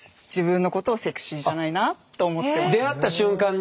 私が出会った瞬間に？